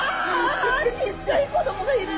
ちっちゃい子供がいる！